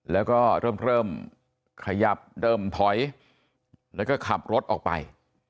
แล้วก็เริ่มขยับเริ่มถอยแล้วก็ขับรถออกไป